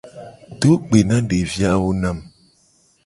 Do gbe na devi awo na mu.